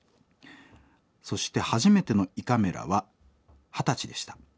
そして初めての胃カメラは二十歳でした。